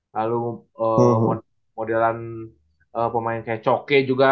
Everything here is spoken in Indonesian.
lalu modelan pemain kayak coke juga